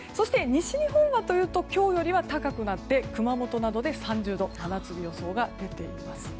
西日本はというと今日よりは高くなって熊本などで３０度真夏日予想が出ています。